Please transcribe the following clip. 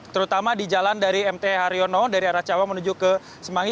terutama di jalan dari mt haryono dari arah cawang menuju ke semanggi